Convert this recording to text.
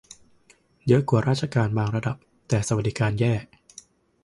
เยอะกว่าราชการบางระดับ แต่สวัสดิการแย่